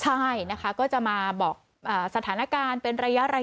ใช่นะคะก็จะมาบอกสถานการณ์เป็นระยะ